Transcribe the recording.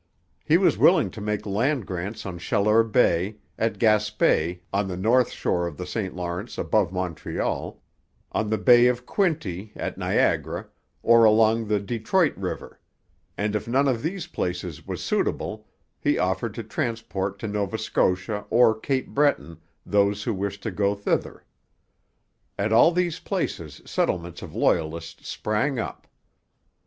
He was willing to make land grants on Chaleur Bay, at Gaspe, on the north shore of the St Lawrence above Montreal, on the Bay of Quinte, at Niagara, or along the Detroit river; and if none of these places was suitable, he offered to transport to Nova Scotia or Cape Breton those who wished to go thither. At all these places settlements of Loyalists sprang up.